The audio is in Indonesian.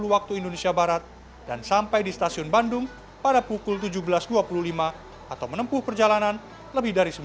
waktu indonesia barat dan sampai di stasiun bandung pada pukul tujuh belas dua puluh lima atau menempuh perjalanan lebih dari sembilan puluh